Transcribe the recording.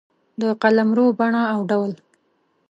د قلمرو بڼه او ډول